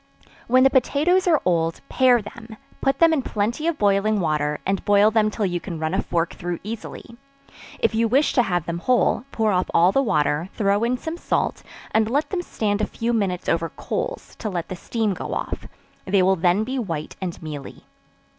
When the potatoes are old, pare them, put them in plenty of boiling water, and boil them till you can run a fork through easily; if you wish to have them whole, pour off all the water, throw in some salt, and let them stand a few minutes over coals, to let the steam go off; they will then be white and mealy.